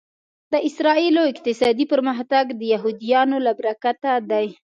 د اسرایلو اقتصادي پرمختګ د یهودیانو له برکته دی